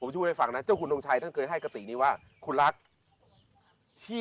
อเจมส์เว้นอยู่วัดเบียบวัดเนี่ย